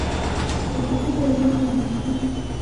د اټروفي د حجرو کمېدل دي.